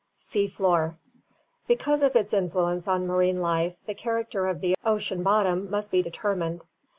Sea Floor, — Because of its influence on marine life the character of the ocean bottom must be determined.